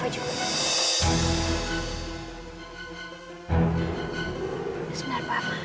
aku ngga penggemar